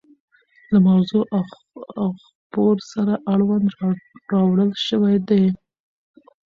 له موضوع او خبور سره اړوند راوړل شوي دي.